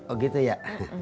oh gitu ya